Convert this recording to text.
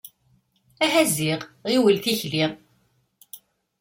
Aha ziɣ ɣiwel tikli.